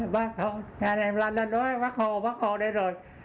bắt hồ nghe anh em la lên nói bắt hồ bắt hồ đây rồi